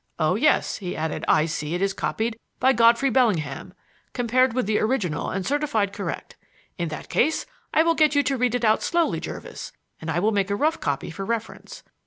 "Oh, yes," he added, "I see it is copied by Godfrey Bellingham, compared with the original and certified correct. In that case I will get you to read it out slowly, Jervis, and I will make a rough copy for reference.